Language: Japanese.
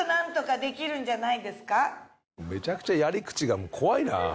めちゃくちゃやり口がもう怖いな。